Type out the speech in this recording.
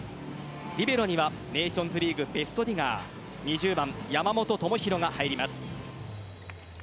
リベロにはネーションズリーグベストディガー２０番・山本智大が入ります。